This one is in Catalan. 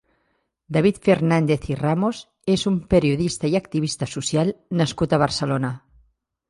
David Fernàndez i Ramos és un periodista i activista social nascut a Barcelona.